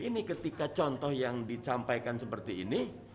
ini ketika contoh yang dicampaikan seperti ini